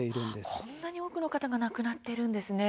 こんなに多くの方が亡くなっているんですね。